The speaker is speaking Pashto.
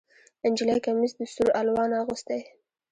نجلۍ کمیس د سور الوان اغوستی